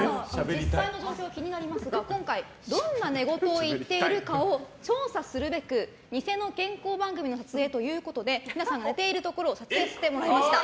実際の状況気になりますが今回どんな寝言を言っているか調査するべく偽の健康番組の撮影ということでＬＩＮＡさんの寝ているところを撮影させてもらいました。